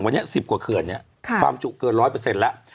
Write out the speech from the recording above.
วันนี้สิบกว่าเขื่อนเนี้ยค่ะความจุเกินร้อยเปอร์เซ็นต์แล้ว